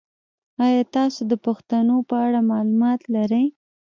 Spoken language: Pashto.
ایا تاسو د پښتنو په اړه معلومات لرئ؟